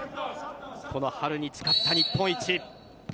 この春に誓った日本一。